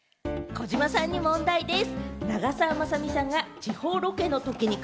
児嶋さんに問題でぃす。